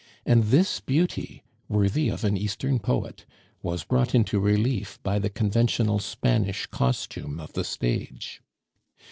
And this beauty, worthy of an Eastern poet, was brought into relief by the conventional Spanish costume of the stage.